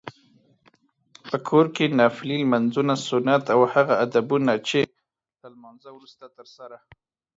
په کور کې نفلي لمونځونه، سنت او هغه ادبونه چې له لمانځته وروسته ترسره